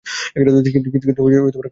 কিন্তু কাউকে কিছু বলবে না।